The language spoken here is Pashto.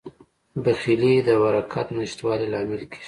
بخیلي د برکت د نشتوالي لامل کیږي.